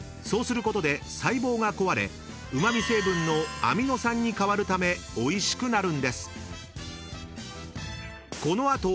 ［そうすることで細胞が壊れうま味成分のアミノ酸に変わるためおいしくなるんです］